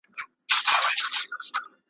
ګرېوان دي لوند دی خونه دي ورانه .